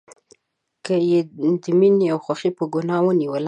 که یې د میینې او خوښۍ په ګناه ونیولم